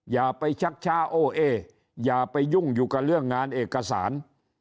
อย่าไปชักช้าโอ้อย่าไปยุ่งอยู่กับเรื่องงานเอกสาร